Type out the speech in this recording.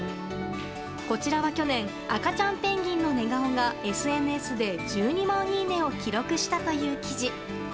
こちらは去年、赤ちゃんペンギンの寝顔がＳＮＳで１２万いいねを記録したという記事。